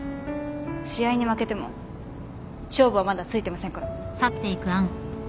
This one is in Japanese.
試合に負けても勝負はまだついてませんから。